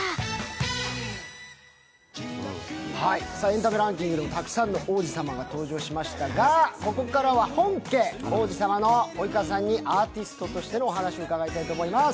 エンタメランキングでもたくさんの王子様が登場しましたが、ここからは本家・王子様の及川さんにアーティストとしてのお話を伺いたいと思います。